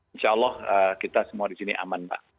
insya allah kita semua di sini aman pak